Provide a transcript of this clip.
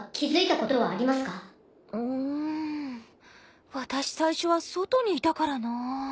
うん私最初は外にいたからなあ。